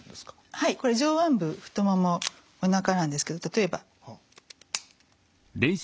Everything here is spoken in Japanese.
はいこれ上腕部太ももおなかなんですけど例えば。